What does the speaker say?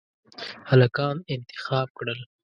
هلکان انتخاب کړل.